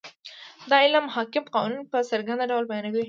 دا علم حاکم قوانین په څرګند ډول بیانوي.